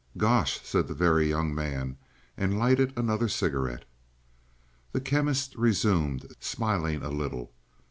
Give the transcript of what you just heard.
"Gosh," said the Very Young Man, and lighted another cigarette. The Chemist resumed, smiling a little.